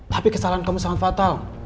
tapi kesalahan kamu sangat fatal